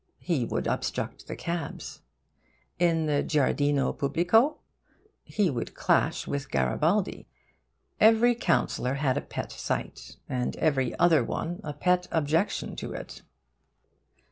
He would obstruct the cabs. In the Giardino Pubblico? He would clash with Garibaldi. Every councillor had a pet site, and every other one a pet objection to it.